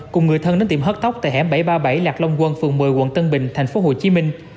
cùng người thân đến tiệm hớt tóc tại hẻm bảy trăm ba mươi bảy lạc long quân phường một mươi quận tân bình thành phố hồ chí minh